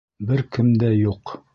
Бер кем дә юҡ...